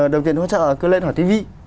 đồng tiền hỗ trợ cứ lên hỏi tivi